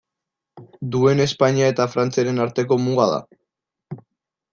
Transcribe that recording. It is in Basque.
Duen Espainia eta Frantziaren arteko muga da.